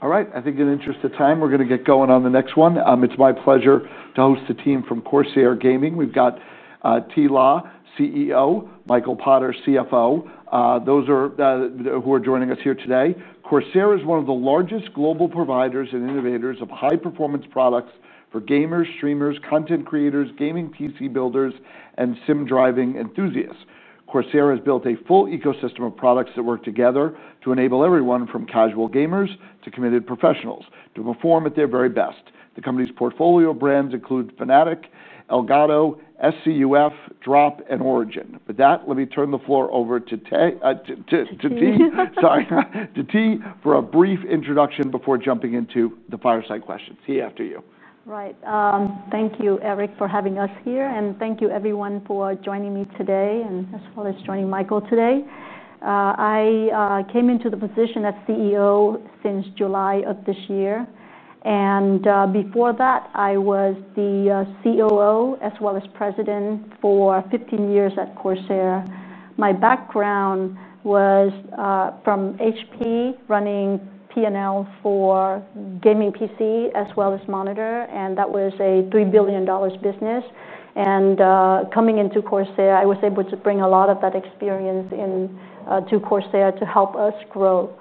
All right, I think in the interest of time, we're going to get going on the next one. It's my pleasure to host the team from Corsair Gaming. We've got Thi La, CEO, Michael G. Potter, CFO. Those are who are joining us here today. Corsair is one of the largest global providers and innovators of high-performance products for gamers, streamers, content creators, gaming PC builders, and SIM racing enthusiasts. Corsair has built a full ecosystem of products that work together to enable everyone from casual gamers to committed professionals to perform at their very best. The company's portfolio brands include Fanatec, Elgato, SCUF Gaming, Drop, and ORIGIN PC. With that, let me turn the floor over to Thi for a brief introduction before jumping into the fireside questions. Thi, after you. Right. Thank you, Eric, for having us here. Thank you, everyone, for joining me today as well as joining Michael today. I came into the position as CEO since July of this year. Before that, I was the COO as well as President for 15 years at Corsair Gaming. My background was from HP running P&L for gaming PC as well as monitor. That was a $3 billion business. Coming into Corsair Gaming, I was able to bring a lot of that experience to Corsair Gaming to help us grow.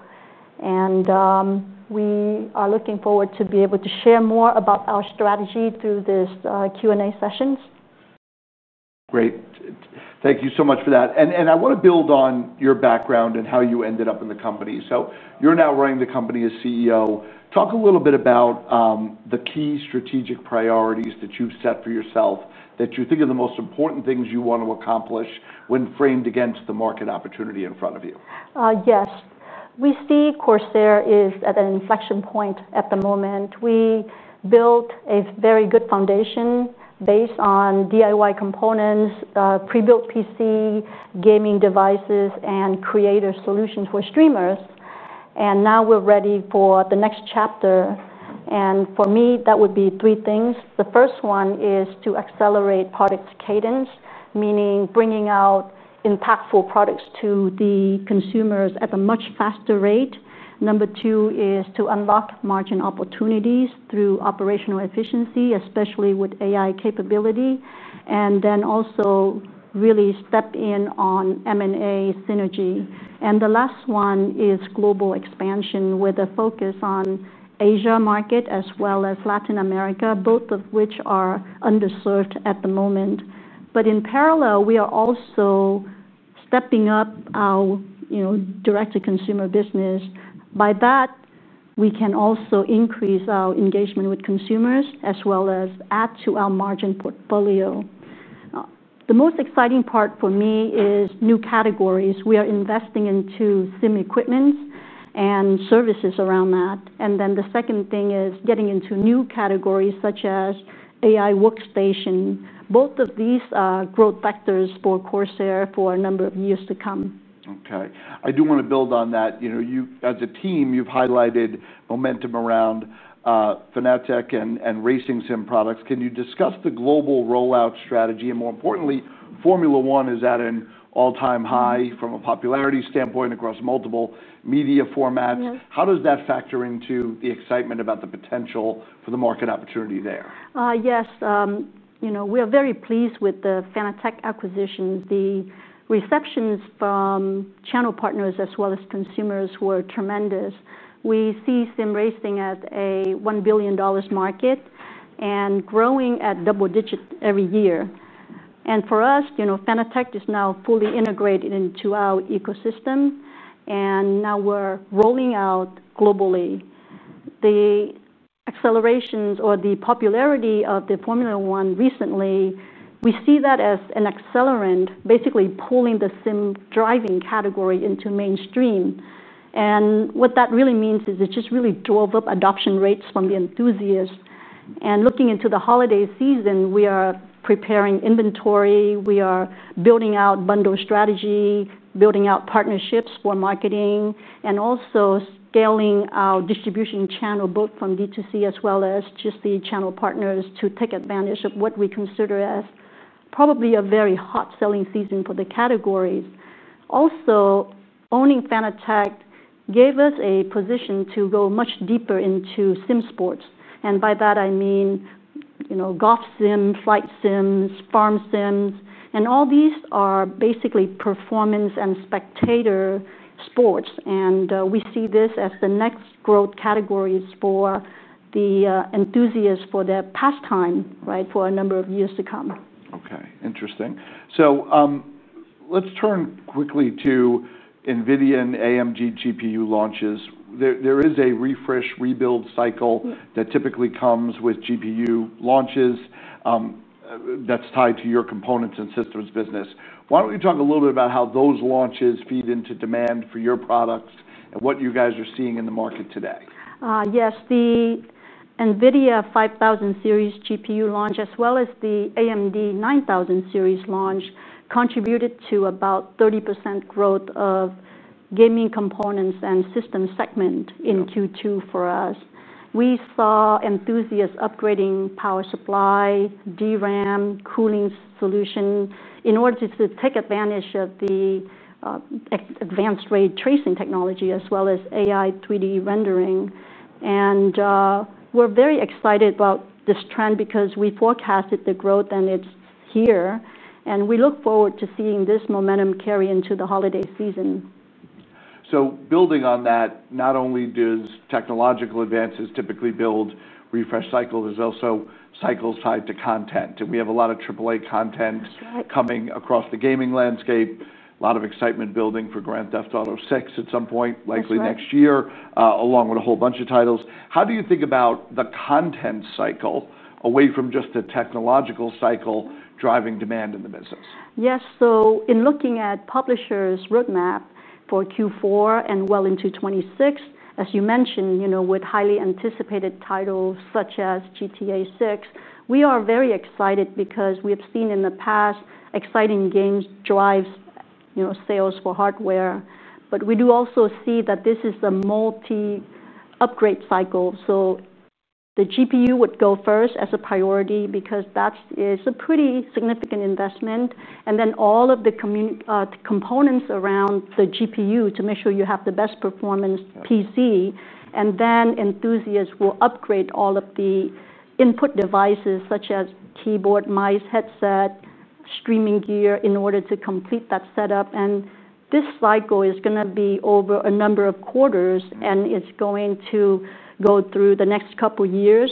We are looking forward to be able to share more about our strategy through these Q&A sessions. Great. Thank you so much for that. I want to build on your background and how you ended up in the company. You're now running the company as CEO. Talk a little bit about the key strategic priorities that you've set for yourself, that you think are the most important things you want to accomplish when framed against the market opportunity in front of you. Yes. We see Corsair Gaming is at an inflection point at the moment. We built a very good foundation based on DIY components, pre-built PC, gaming devices, and creative solutions for streamers. Now we're ready for the next chapter. For me, that would be three things. The first one is to accelerate product cadence, meaning bringing out impactful products to the consumers at a much faster rate. Number two is to unlock margin opportunities through operational efficiency, especially with AI capability. Also, really step in on M&A synergy. The last one is global expansion with a focus on the Asia market as well as Latin America, both of which are underserved at the moment. In parallel, we are also stepping up our direct-to-consumer business. By that, we can also increase our engagement with consumers as well as add to our margin portfolio. The most exciting part for me is new categories. We are investing into SIM equipment and services around that. The second thing is getting into new categories such as AI workstation. Both of these are growth vectors for Corsair Gaming for a number of years to come. OK. I do want to build on that. You know, as a team, you've highlighted momentum around Fanatec and SIM racing products. Can you discuss the global rollout strategy? More importantly, Formula One is at an all-time high from a popularity standpoint across multiple media formats. How does that factor into the excitement about the potential for the market opportunity there? Yes. You know, we are very pleased with the Fanatec acquisition. The receptions from channel partners as well as consumers were tremendous. We see SIM racing at a $1 billion market and growing at double digits every year. For us, Fanatec is now fully integrated into our ecosystem. Now we're rolling out globally. The accelerations or the popularity of the Formula One recently, we see that as an accelerant, basically pulling the SIM driving category into mainstream. What that really means is it just really drove up adoption rates from the enthusiasts. Looking into the holiday season, we are preparing inventory. We are building out bundle strategy, building out partnerships for marketing, and also scaling our distribution channel, both from direct-to-consumer as well as just the channel partners to take advantage of what we consider as probably a very hot selling season for the categories. Also, owning Fanatec gave us a position to go much deeper into SIM sports. By that, I mean, you know, golf SIM, flight SIMs, farm SIMs. All these are basically performance and spectator sports. We see this as the next growth categories for the enthusiasts for their pastime, right, for a number of years to come. OK. Interesting. Let's turn quickly to NVIDIA and AMD GPU launches. There is a refresh/rebuild cycle that typically comes with GPU launches that's tied to your components and systems business. Why don't you talk a little bit about how those launches feed into demand for your products and what you guys are seeing in the market today? Yes. The NVIDIA 5000 series GPU launch, as well as the AMD 9000 series launch, contributed to about 30% growth of gaming components and system segment in Q2 for us. We saw enthusiasts upgrading power supply, DRAM, cooling solution in order to take advantage of the advanced ray tracing technology, as well as AI 3D rendering. We are very excited about this trend because we forecasted the growth and it's here. We look forward to seeing this momentum carry into the holiday season. Building on that, not only do technological advances typically build refresh cycles, there's also cycles tied to content. We have a lot of AAA content coming across the gaming landscape, a lot of excitement building for Grand Theft Auto VI at some point, likely next year, along with a whole bunch of titles. How do you think about the content cycle away from just the technological cycle driving demand in the business? Yes. In looking at publishers' roadmap for Q4 and well into 2026, as you mentioned, with highly anticipated titles such as Grand Theft Auto VI, we are very excited because we have seen in the past exciting games drive sales for hardware. We do also see that this is a multi-upgrade cycle. The GPU would go first as a priority because that is a pretty significant investment, and then all of the components around the GPU to make sure you have the best performance PC. Enthusiasts will upgrade all of the input devices such as keyboard, mice, headset, streaming gear in order to complete that setup. This cycle is going to be over a number of quarters, and it's going to go through the next couple of years.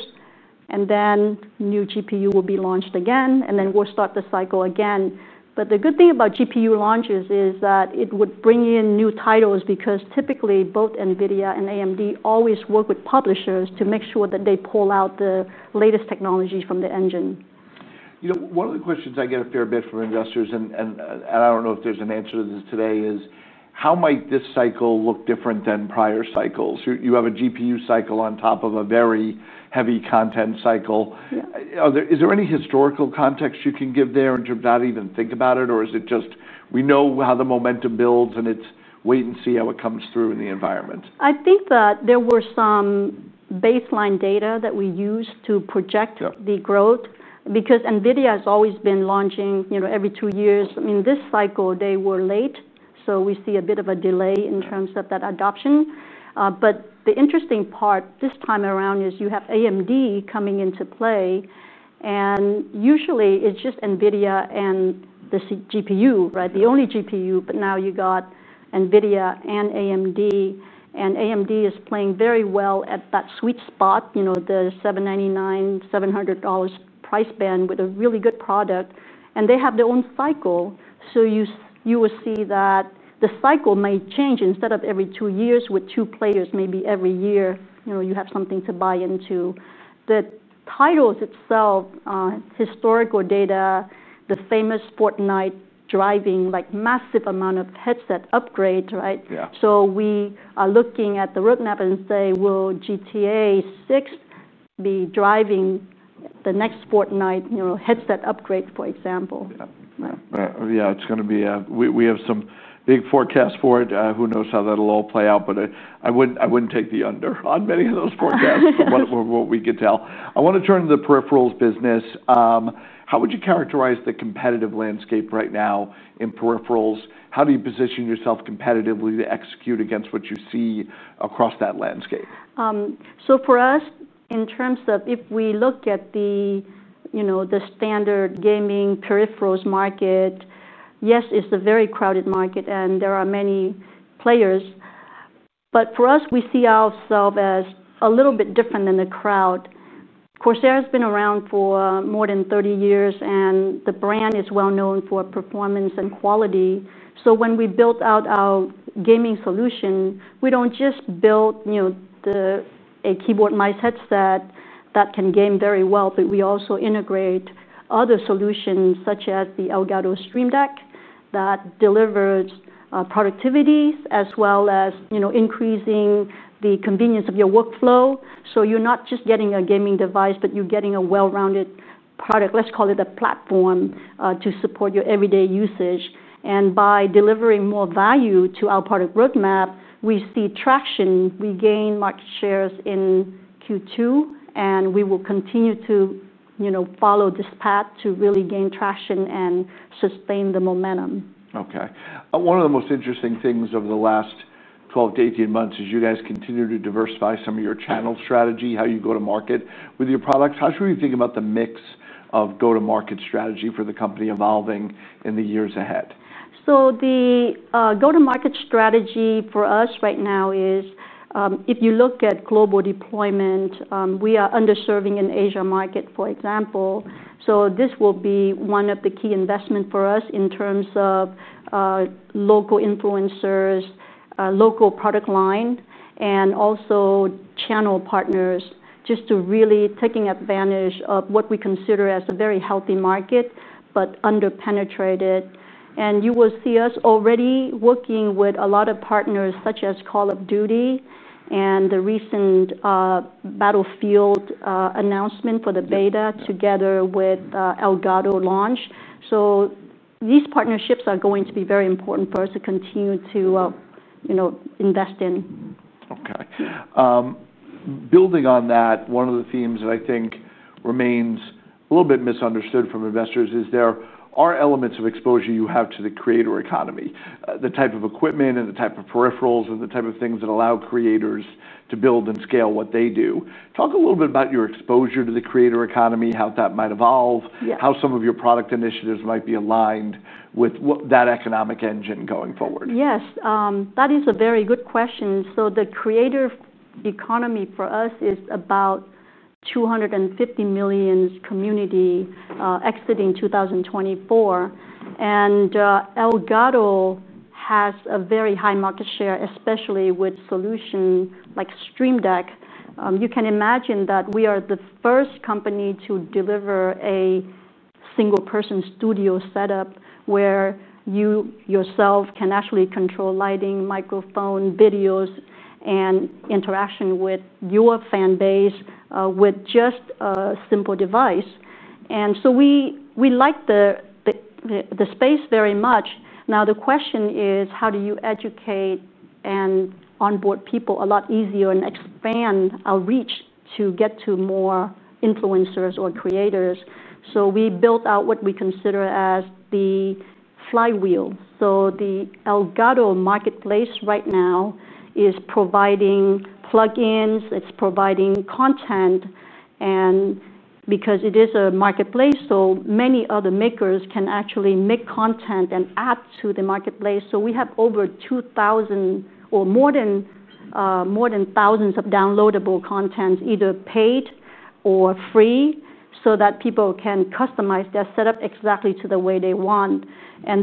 A new GPU will be launched again, and we'll start the cycle again. The good thing about GPU launches is that it would bring in new titles because typically both NVIDIA and AMD always work with publishers to make sure that they pull out the latest technology from the engine. You know, one of the questions I get a fair bit from investors, and I don't know if there's an answer to this today, is how might this cycle look different than prior cycles? You have a GPU cycle on top of a very heavy content cycle. Is there any historical context you can give there to not even think about it? Or is it just we know how the momentum builds and it's wait and see how it comes through in the environment? I think that there were some baseline data that we used to project the growth because NVIDIA has always been launching, you know, every two years. In this cycle, they were late. We see a bit of a delay in terms of that adoption. The interesting part this time around is you have AMD coming into play. Usually, it's just NVIDIA and the GPU, right, the only GPU. Now you got NVIDIA and AMD. AMD is playing very well at that sweet spot, you know, the $799, $700 price band with a really good product. They have their own cycle. You will see that the cycle may change instead of every two years with two players, maybe every year, you know, you have something to buy into. The titles itself, historical data, the famous Fortnite driving, like massive amount of headset upgrade, right? Yeah. We are looking at the roadmap and say, will Grand Theft Auto VI be driving the next Fortnite, you know, headset upgrade, for example? Yeah, it's going to be we have some big forecasts for it. Who knows how that will all play out? I wouldn't take the under on many of those forecasts, from what we could tell. I want to turn to the peripherals business. How would you characterize the competitive landscape right now in peripherals? How do you position yourself competitively to execute against what you see across that landscape? In terms of if we look at the, you know, the standard gaming peripherals market, yes, it's a very crowded market. There are many players. For us, we see ourselves as a little bit different than the crowd. Corsair has been around for more than 30 years, and the brand is well known for performance and quality. When we built out our gaming solution, we don't just build, you know, a keyboard, mice, headset that can game very well. We also integrate other solutions such as the Elgato Stream Deck that delivers productivity as well as, you know, increasing the convenience of your workflow. You're not just getting a gaming device, but you're getting a well-rounded product. Let's call it a platform to support your everyday usage. By delivering more value to our product roadmap, we see traction. We gain market shares in Q2, and we will continue to, you know, follow this path to really gain traction and sustain the momentum. OK. One of the most interesting things over the last 12 to 18 months is you guys continue to diversify some of your channel strategy, how you go to market with your products. How should we think about the mix of go-to-market strategy for the company evolving in the years ahead? The go-to-market strategy for us right now is if you look at global deployment, we are underserving in the Asia market, for example. This will be one of the key investments for us in terms of local influencers, local product line, and also channel partners, just to really take advantage of what we consider as a very healthy market but underpenetrated. You will see us already working with a lot of partners such as Call of Duty and the recent Battlefield announcement for the beta together with Elgato launch. These partnerships are going to be very important for us to continue to invest in. OK. Building on that, one of the themes that I think remains a little bit misunderstood from investors is there are elements of exposure you have to the creator economy, the type of equipment and the type of peripherals and the type of things that allow creators to build and scale what they do. Talk a little bit about your exposure to the creator economy, how that might evolve, how some of your product initiatives might be aligned with that economic engine going forward. Yes. That is a very good question. The creator economy for us is about 250 million community exiting 2024. Elgato has a very high market share, especially with solutions like Stream Deck. You can imagine that we are the first company to deliver a single-person studio setup where you yourself can actually control lighting, microphone, videos, and interaction with your fan base with just a simple device. We like the space very much. The question is, how do you educate and onboard people a lot easier and expand our reach to get to more influencers or creators? We built out what we consider as the flywheel. The Elgato marketplace right now is providing plugins. It's providing content. Because it is a marketplace, so many other makers can actually make content and add to the marketplace. We have over 2,000 or more than thousands of downloadable contents, either paid or free, so that people can customize their setup exactly to the way they want.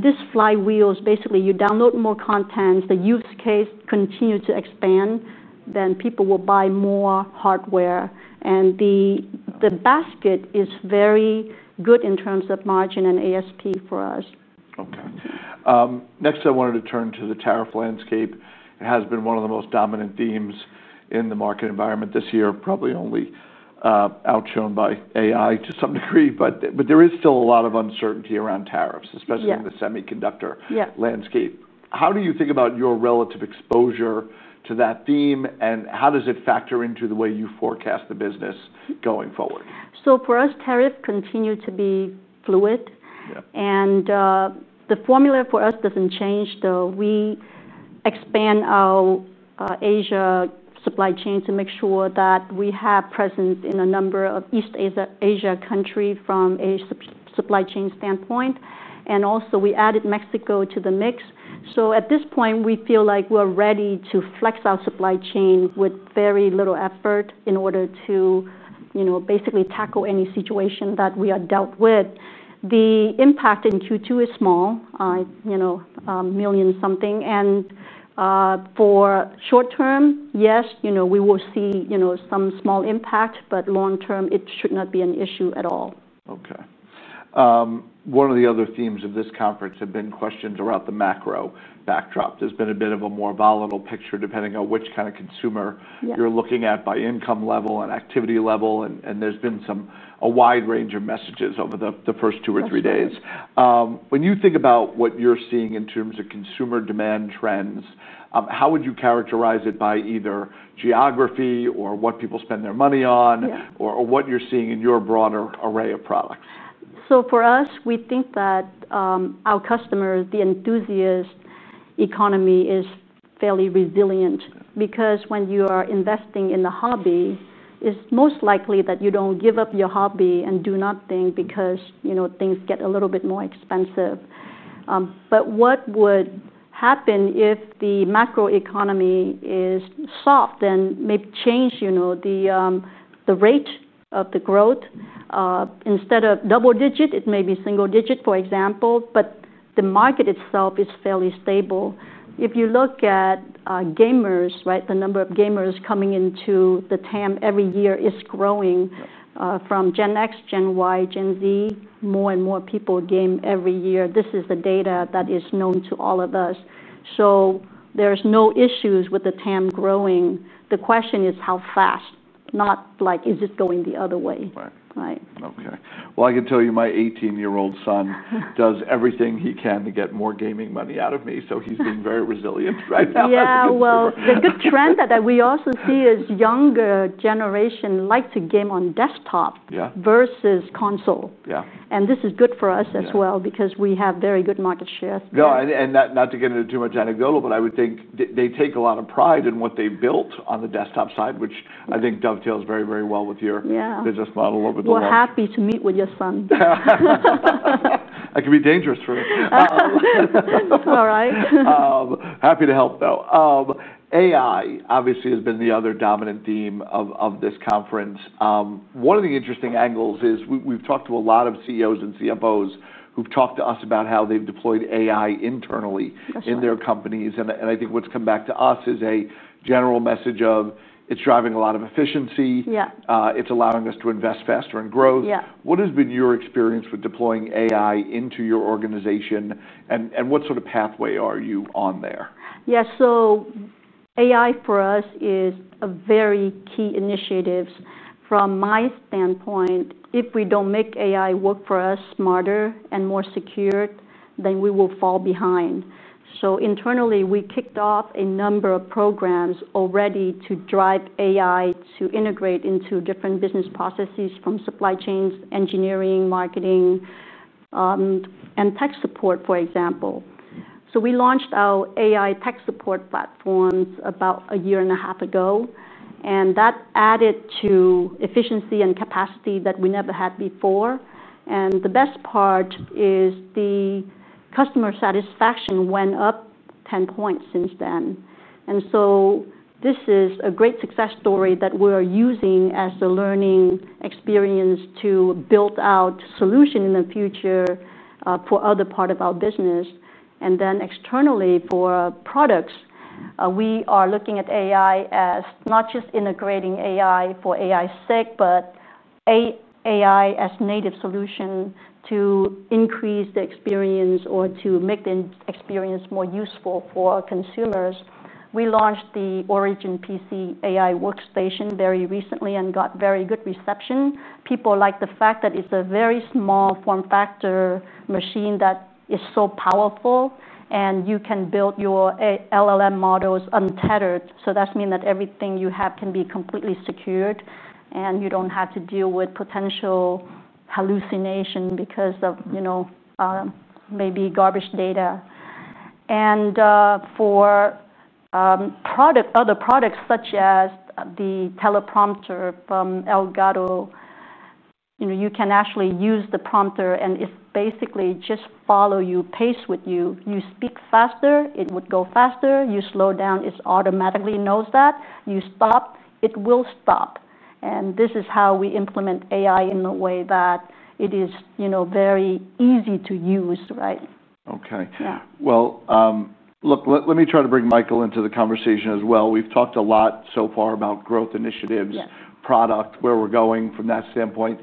This flywheel is basically you download more content. The use case continues to expand. People will buy more hardware. The basket is very good in terms of margin and ASP for us. OK. Next, I wanted to turn to the tariff landscape. It has been one of the most dominant themes in the market environment this year, probably only outshone by AI to some degree. There is still a lot of uncertainty around tariffs, especially in the semiconductor landscape. How do you think about your relative exposure to that theme? How does it factor into the way you forecast the business going forward? For us, tariffs continue to be fluid. The formula for us doesn't change, though. We expand our Asia supply chain to make sure that we have presence in a number of East Asia countries from a supply chain standpoint. We also added Mexico to the mix. At this point, we feel like we're ready to flex our supply chain with very little effort in order to basically tackle any situation that we are dealt with. The impact in Q2 is small, you know, a million something. For short term, yes, you know, we will see, you know, some small impact. Long term, it should not be an issue at all. OK. One of the other themes of this conference have been questions about the macro backdrop. There's been a bit of a more volatile picture depending on which kind of consumer you're looking at by income level and activity level. There's been a wide range of messages over the first two or three days. When you think about what you're seeing in terms of consumer demand trends, how would you characterize it by either geography or what people spend their money on or what you're seeing in your broader array of products? For us, we think that our customers, the enthusiast economy is fairly resilient because when you are investing in the hobby, it's most likely that you don't give up your hobby and do nothing because, you know, things get a little bit more expensive. What would happen if the macro economy is soft and maybe change, you know, the rate of the growth? Instead of double digits, it may be single digits, for example. The market itself is fairly stable. If you look at gamers, right, the number of gamers coming into the TAM every year is growing from Gen X, Gen Y, Gen Z. More and more people game every year. This is the data that is known to all of us. There are no issues with the TAM growing. The question is how fast, not like is it going the other way? Right. Right. OK. I can tell you my 18-year-old son does everything he can to get more gaming money out of me. He's being very resilient right now. Yeah, the good trend that we also see is younger generations like to game on desktop versus console. Yeah. This is good for us as well because we have very good market shares. No, not to get into too much anecdotal, but I would think they take a lot of pride in what they built on the desktop side, which I think dovetails very, very well with your business model. Yeah, we're happy to meet with your son. I can be dangerous for you. All right. Happy to help, though. AI obviously has been the other dominant theme of this conference. One of the interesting angles is we've talked to a lot of CEOs and CFOs who've talked to us about how they've deployed AI internally in their companies. I think what's come back to us is a general message of it's driving a lot of efficiency. Yeah. It's allowing us to invest faster in growth. Yeah. What has been your experience with deploying AI into your organization? What sort of pathway are you on there? Yeah. AI for us is a very key initiative. From my standpoint, if we don't make AI work for us smarter and more secure, then we will fall behind. Internally, we kicked off a number of programs already to drive AI to integrate into different business processes from supply chains, engineering, marketing, and tech support, for example. We launched our AI-driven tech support platforms about a year and a half ago. That added to efficiency and capacity that we never had before. The best part is the customer satisfaction went up 10% since then. This is a great success story that we're using as a learning experience to build out a solution in the future for other parts of our business. Externally for products, we are looking at AI as not just integrating AI for AI's sake, but AI as a native solution to increase the experience or to make the experience more useful for consumers. We launched the ORIGIN PC AI workstation very recently and got very good reception. People like the fact that it's a very small form factor machine that is so powerful. You can build your LLM models untethered. That means that everything you have can be completely secured. You don't have to deal with potential hallucination because of, you know, maybe garbage data. For other products such as the Elgato smart teleprompter, you can actually use the prompter and it basically just follows your pace with you. You speak faster, it would go faster. You slow down, it automatically knows that. You stop, it will stop. This is how we implement AI in a way that it is, you know, very easy to use, right? OK. Yeah. Let me try to bring Michael into the conversation as well. We've talked a lot so far about growth initiatives, product, where we're going from that standpoint.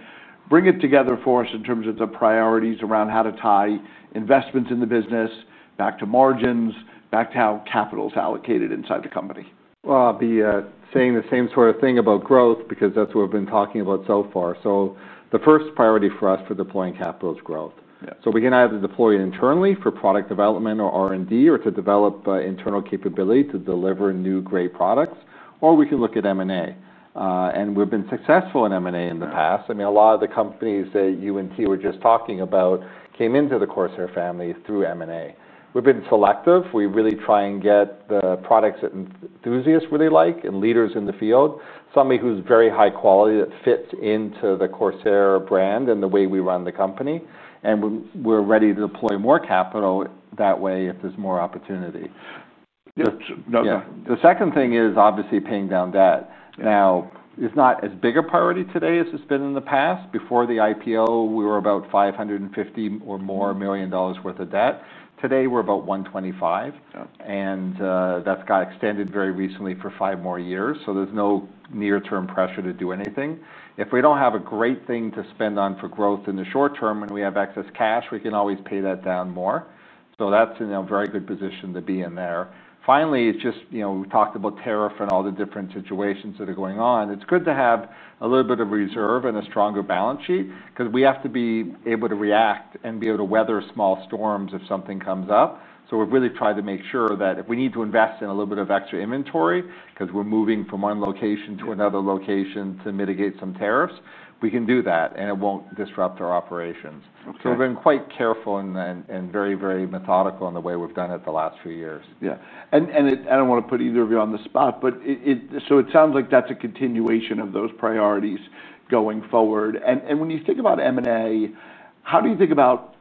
Bring it together for us in terms of the priorities around how to tie investments in the business back to margins, back to how capital is allocated inside the company. I'll be saying the same sort of thing about growth because that's what we've been talking about so far. The first priority for us for deploying capital is growth. Yeah. We're going to have to deploy it internally for product development or R&D or to develop internal capability to deliver new great products. We can look at M&A. We've been successful in M&A in the past. A lot of the companies that you and Thi La were just talking about came into the Corsair Gaming family through M&A. We've been selective. We really try and get the products that enthusiasts really like and leaders in the field, somebody who's very high quality that fits into the Corsair Gaming brand and the way we run the company. We're ready to deploy more capital that way if there's more opportunity. Yeah. The second thing is obviously paying down debt. Now, it's not as big a priority today as it's been in the past. Before the IPO, we were about $550 million or more dollars worth of debt. Today, we're about $125 million. Yeah. That's got extended very recently for five more years. There's no near-term pressure to do anything. If we don't have a great thing to spend on for growth in the short term and we have excess cash, we can always pay that down more. That's in a very good position to be in there. Finally, we talked about tariff and all the different situations that are going on. It's good to have a little bit of reserve and a stronger balance sheet because we have to be able to react and be able to weather small storms if something comes up. We've really tried to make sure that if we need to invest in a little bit of extra inventory because we're moving from one location to another location to mitigate some tariffs, we can do that and it won't disrupt our operations. OK. We have been quite careful and very, very methodical in the way we've done it the last few years. Yeah. I don't want to put either of you on the spot. It sounds like that's a continuation of those priorities going forward. When you think about M&A, how do you think about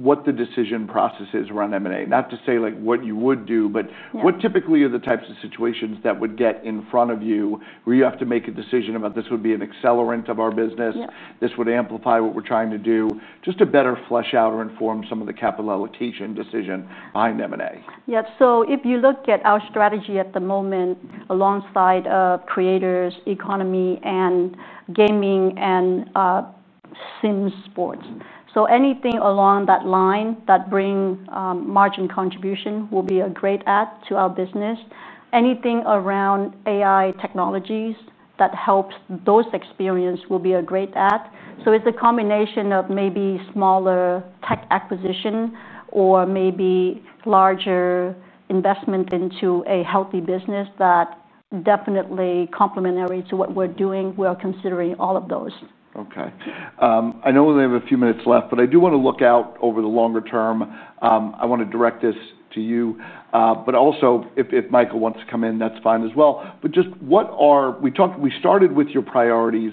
what the decision process is around M&A? Not to say like what you would do, but what typically are the types of situations that would get in front of you where you have to make a decision about this would be an accelerant of our business? Yeah. This would amplify what we're trying to do just to better flesh out or inform some of the capital allocation decision behind M&A? If you look at our strategy at the moment alongside creators, economy, and gaming, and SIM sports, anything along that line that brings margin contribution will be a great add to our business. Anything around AI technologies that helps those experiences will be a great add. It's a combination of maybe smaller tech acquisition or maybe larger investment into a healthy business that is definitely complementary to what we're doing, we are considering all of those. OK. I know we only have a few minutes left. I do want to look out over the longer term. I want to direct this to you. If Michael wants to come in, that's fine as well. What are we talked we started with your priorities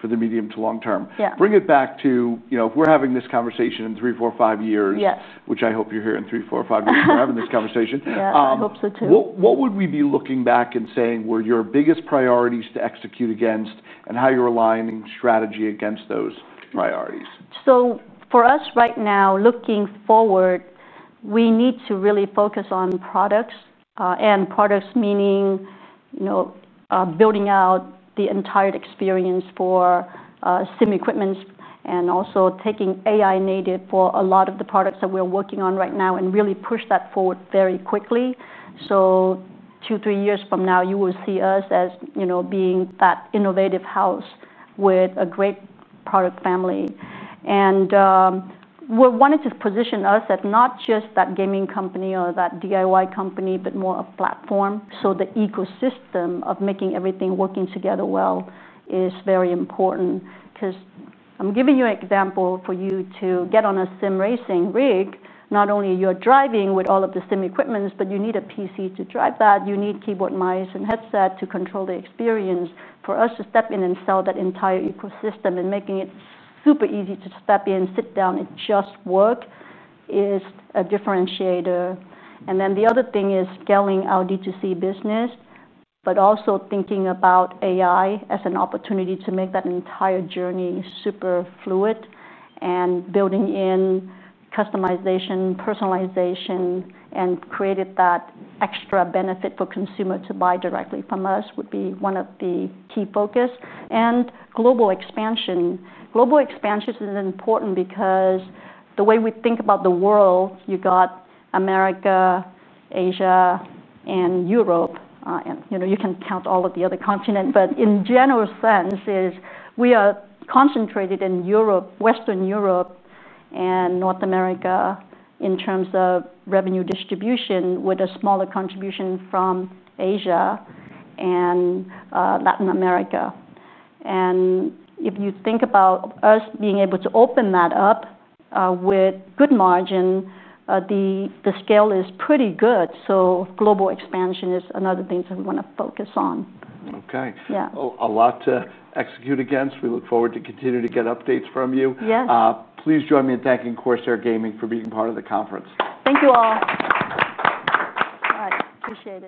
for the medium to long term. Yeah. Bring it back to, you know, if we're having this conversation in three, four, five years, which I hope you're here in three, four, or five years, we're having this conversation. Yeah, I hope so too. What would we be looking back and saying were your biggest priorities to execute against, and how you're aligning strategy against those priorities? For us right now, looking forward, we need to really focus on products. Products meaning, you know, building out the entire experience for SIM equipment and also taking AI-native for a lot of the products that we're working on right now and really push that forward very quickly. Two, three years from now, you will see us as, you know, being that innovative house with a great product family. We wanted to position us as not just that gaming company or that DIY company, but more a platform. The ecosystem of making everything working together well is very important because I'm giving you an example for you to get on a SIM racing rig. Not only are you driving with all of the SIM equipment, but you need a PC to drive that. You need keyboard, mice, and headset to control the experience. For us to step in and sell that entire ecosystem and making it super easy to step in, sit down, and just work is a differentiator. The other thing is scaling our D2C business, but also thinking about AI as an opportunity to make that entire journey super fluid and building in customization, personalization, and creating that extra benefit for consumers to buy directly from us would be one of the key focuses. Global expansion is important because the way we think about the world, you've got America, Asia, and Europe. You can count all of the other continents. In general sense, we are concentrated in Europe, Western Europe, and North America in terms of revenue distribution with a smaller contribution from Asia and Latin America. If you think about us being able to open that up with good margin, the scale is pretty good. Global expansion is another thing that we want to focus on. OK. Yeah. A lot to execute against. We look forward to continuing to get updates from you. Yes. Please join me in thanking Corsair Gaming for being part of the conference. Thank you all. Bye. Appreciate it.